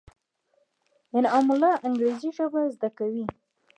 انعام الله انګرېزي ژبه زده کوي.